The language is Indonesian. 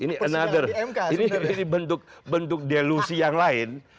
ini bentuk delusi yang lain